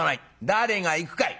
「誰が行くかい」。